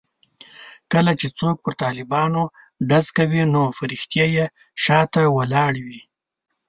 کله چې څوک پر طالبانو ډز کوي نو فرښتې یې شا ته ولاړې وي.